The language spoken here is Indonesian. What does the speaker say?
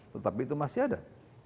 tetapi itu masih ada